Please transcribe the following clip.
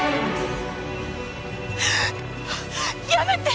やめて！